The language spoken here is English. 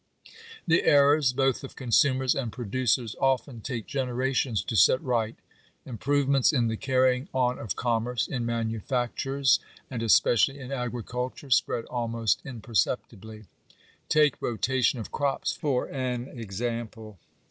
The errors both of consumers and producers often take generations to set right Improvements in the carrying on of commerce, in manufactures, and especially in agriculture, spread almost imperceptibly. Take rotation of crops for an example.